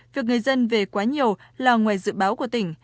việc người dân về quá nhiều là ngoài dự báo của tỉnh